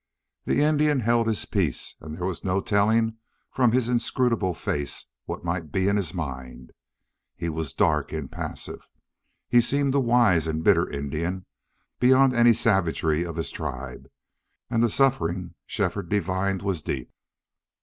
The Indian held his peace and there was no telling from his inscrutable face what might be in his mind. He was dark, impassive. He seemed a wise and bitter Indian, beyond any savagery of his tribe, and the suffering Shefford divined was deep.